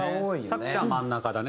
さくちゃん真ん中だね